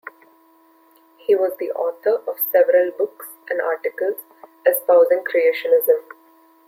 He was the author of several books and articles espousing creationism.